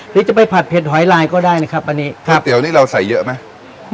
หรือจะไปผัดเด็ดหอยลายก็ได้นะครับอันนี้ก๋วยเตี๋ยวนี่เราใส่เยอะไหม